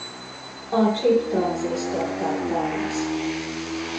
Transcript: A csip tranzisztort tartalmaz.